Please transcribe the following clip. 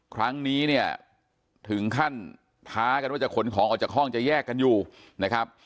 ครั้งนี้เนี่ยถึงขั้นท้ากันว่าจะขนของออกจากห้องจะแยกกันอยู่นะครับ